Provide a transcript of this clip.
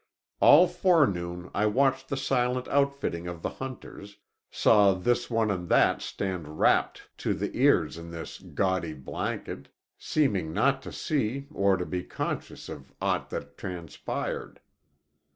All forenoon I watched this silent outfitting of the hunters, saw this one and that stand wrapped to the ears in his gaudy blanket, seeming not to see or to be conscious of aught that transpired.